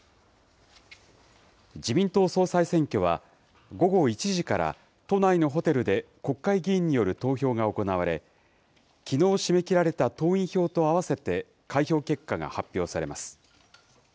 自民党総裁選挙は、午後１時から都内のホテルで国会議員による投票が行われ、きのう締め切られた党員票と合わせて開票結果が発表されます。